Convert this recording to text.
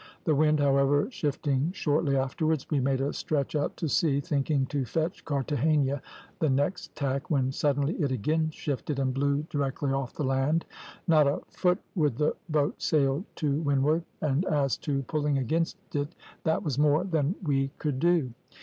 The wind, however, shifting shortly afterwards, we made a stretch out to sea, thinking to fetch Carthagena the next tack, when, suddenly, it again shifted, and blew directly off the land; not a foot would the boat sail to windward, and as to pulling against it, that was more than we could do.